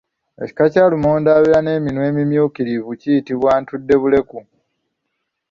Ekika kya lumonde abeera n’eminwe emimyukirivu kiyitibwa ntuddebuleku.